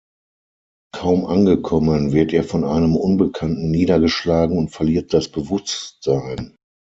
Kaum angekommen, wird er von einem Unbekannten niedergeschlagen und verliert das Bewusstsein.